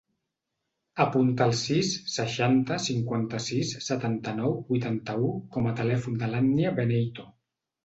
Apunta el sis, seixanta, cinquanta-sis, setanta-nou, vuitanta-u com a telèfon de l'Ànnia Beneyto.